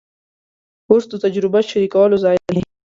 کورس د تجربه شریکولو ځای دی.